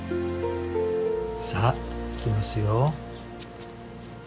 さあいきますよ。